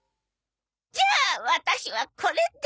じゃあワタシはこれで。